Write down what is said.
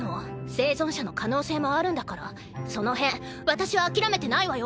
生存者の可能性もあるんだからそのへん私は諦めてないわよ。